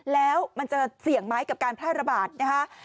แล้วมันจะเสี่ยงไหมกับการแพร่ระบาดนะคะ